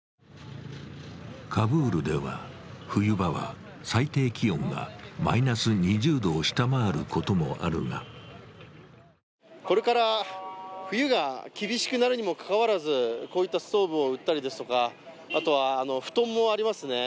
カブールでは、冬場は最低気温がマイナス２０度を下回ることもあるがこれから冬が厳しくなるにもかかわらず、こういったストーブを売ったりですとか、布団もありますね。